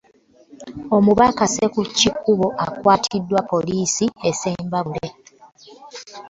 Omubaka Ssekikubo akwatiddwa poliisi e Ssembabule